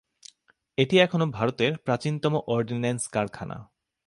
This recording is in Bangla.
এটি এখনও ভারতের প্রাচীনতম অর্ডিন্যান্স কারখানা।